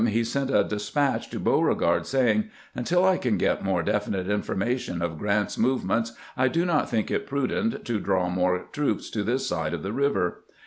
he sent a despatch to Beauregard, saying :" Until I can get more definite information of Grant's movements, I do not think it prudent to draw more troops to this side of the river."